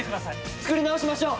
作り直しましょう！